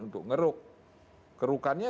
untuk ngeruk kerukannya